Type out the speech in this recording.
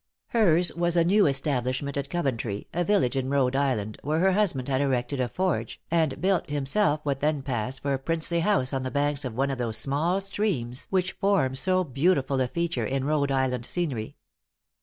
Hers was a new establishment at Coventry, a village in Rhode Island, where her husband had erected a forge, and built himself what then passed for a princely house on the banks of one of those small streams which form so beautiful a feature in Rhode Island scenery.